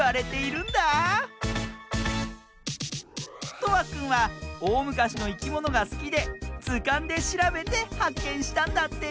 とわくんはおおむかしのいきものがすきでずかんでしらべてはっけんしたんだって！